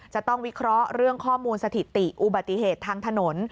จะต้องวิเคราะห์เรื่องข้อมูลสถิติอุบัติเหตุทางถนน